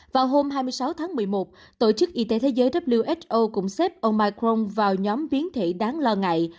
vào hôm hai mươi sáu tháng một mươi một tổ chức y tế thế giới who cũng xếp ông micron vào nhóm biến thể đáng lo ngại